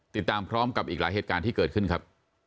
ติดตามพร้อมกับอีกหลายเหตุการณ์ที่เกิดขึ้นครับ